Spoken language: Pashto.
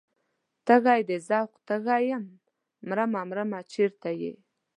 تږی د ذوق تږی یمه مرمه مرمه چرته یې؟